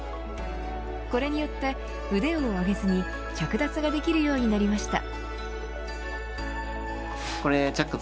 これによって腕を上げずに着脱ができるようになりました。